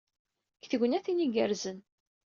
Deg tegnatin igerrzen.